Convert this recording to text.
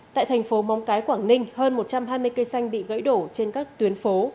tại thành phố móng cái quảng ninh hơn một trăm hai mươi cây xanh bị gãy đổ trên các tuyến phố